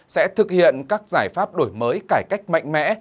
sẽ thực hiện các giải pháp đổi mới cải cách mạnh mẽ